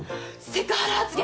セクハラ発言！